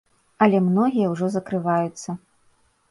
Але многія ўжо закрываюцца.